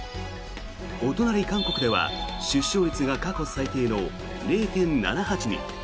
お隣、韓国では出生率が過去最低の０．７８に。